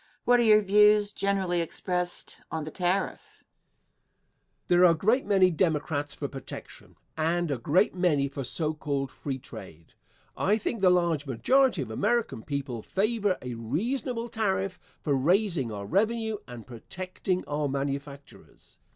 Question. What are your views, generally expressed, on the tariff? Answer. There are a great many Democrats for protection and a great many for so called free trade. I think the large majority of American people favor a reasonable tariff for raising our revenue and protecting our manufactures.